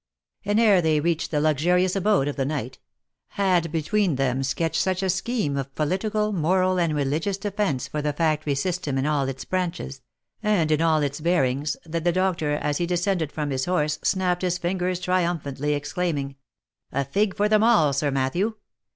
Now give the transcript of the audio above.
And ere they "eached the luxurious abode of the knight, had be tween them sketched such a scheme of political, moral, and reli gious defence for the factory system in all its branches, and in all its bearings, that the doctor as he descended from his horse, snapped his fingers triumphantly, exclaiming, " A fig for them all, Sir Mat thew